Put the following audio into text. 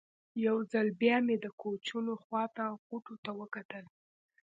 یو ځل بیا مې د کوچونو خوا ته غوټو ته وکتل.